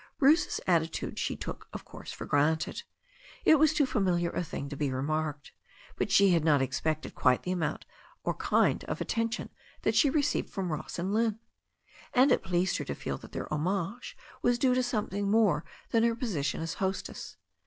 Bruce's attitude she took, of course, for granted. It was too fa miliar a thing to be remarked. But she had not expected quite the amount or kind of attention that she received from Ross and Lynne. And it pleased her to feel that their homage was due to something more than her position as hostess.